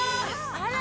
あら！